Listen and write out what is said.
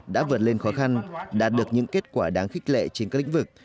đã vượt lên khó khăn đạt được những kết quả đáng khích lệ trên các lĩnh vực